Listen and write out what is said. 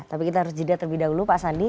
tapi kita harus jeda terlebih dahulu pak sandi